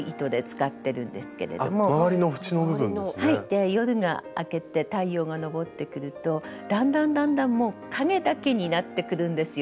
で夜が明けて太陽が昇ってくるとだんだんだんだんもう影だけになってくるんですよ